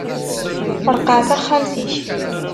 Ṛeqqeɛ taxxamt-ik!